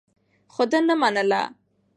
خو دې ونه منله.